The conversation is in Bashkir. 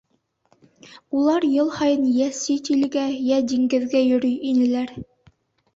Улар йыл һайын йә сит илгә, йә диңгеҙгә йөрөй инеләр.